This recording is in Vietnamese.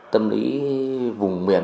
tâm lý vùng miền